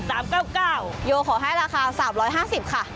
เต็มที่ก็๙๙บาท